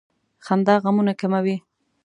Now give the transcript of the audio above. • خندا غمونه کموي.